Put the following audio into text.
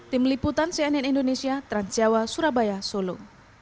tim liputan cnn indonesia transjawa surabaya solo